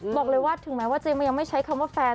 บอกเลยว่าถึงแม้ว่าเจมยังไม่ใช้คำว่าแฟน